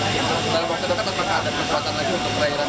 jadi dalam waktu dekat tetap ada kekuatan lagi untuk perairan